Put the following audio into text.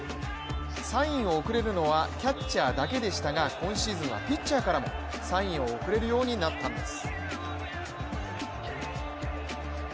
サインを送れるのはキャッチャーだけでしたが今シーズンはピッチャーからもサインを送れるようになったんです。